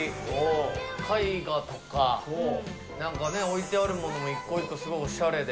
絵画とかなんかね、置いてあるものも一個一個すごくおしゃれで。